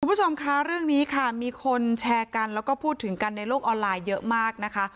คุณผู้ชมคะเรื่องนี้ค่ะมีคนแชร์กันแล้วก็พูดถึงกันในโลกออนไลน์เยอะมากนะคะ